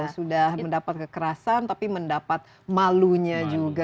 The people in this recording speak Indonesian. sudah mendapat kekerasan tapi mendapat malunya juga